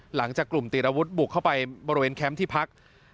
หลังจากกลุ่มติดอาวุธบุกเข้าไปบริเวณแคมป์ที่พัก